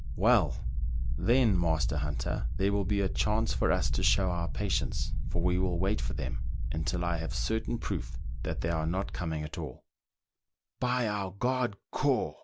" Well ! then, master hunter, there will be a chance for us to show our patience, for we will wait for them until I have certain proof that they are not coming at all" " By our god Ko !